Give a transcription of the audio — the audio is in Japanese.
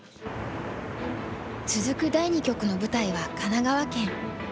続く第二局の舞台は神奈川県。